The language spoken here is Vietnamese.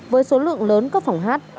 với số lượng lớn cấp phòng hát